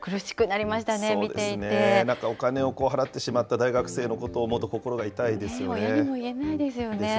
そうですね、なんか、お金を払ってしまった大学生のことを思うと心が痛いですよね。ですね。